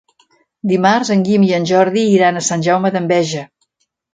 Dimarts en Guim i en Jordi iran a Sant Jaume d'Enveja.